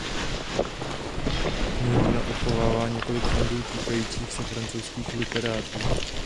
Knihovna uchovává několik fondů týkajících se francouzských literátů.